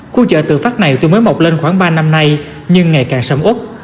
khu chợ tự phát này từ mới mọc lên khoảng ba năm nay nhưng ngày càng sấm út